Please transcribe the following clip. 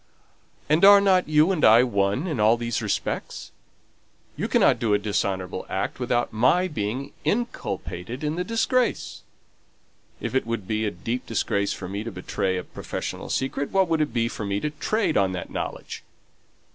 and are not you and I one in all these respects? You cannot do a dishonourable act without my being inculpated in the disgrace. If it would be a deep disgrace for me to betray a professional secret, what would it be for me to trade on that knowledge?"